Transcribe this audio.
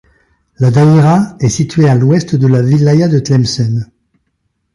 La daïra est située à l'ouest de la wilaya de Tlemcen.